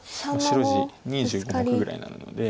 白地２５目ぐらいなので。